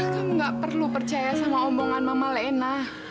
kamu gak perlu percaya sama omongan mama lena